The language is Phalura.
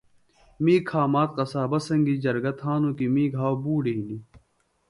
می کھامد قصابہ سنگیۡ جرگہ تھانوۡ کیۡ می گھاوۡ بوڈیۡ ہنیۡ